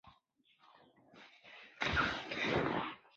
本乡最重要的景点是圣奥斯瓦尔德教堂。